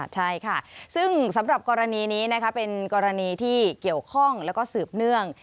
ใช่ค่ะซึ่งสำหรับกรณีนี้เป็นกรณีที่เกี่ยวข้องแล้วก็สืบเนื่อง